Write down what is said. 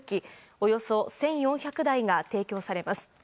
およそ１４００台が提供されます。